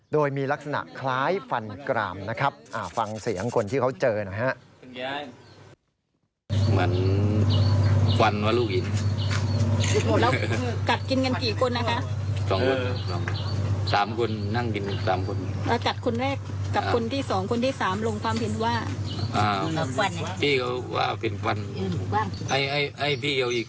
โดยมีลักษณะคล้ายฟันกรามนะครับฟังเสียงคนที่เขาเจอหน่อยฮะ